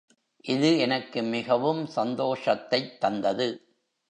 இது எனக்கு மிகவும் சந்தோஷத்தைத் தந்தது.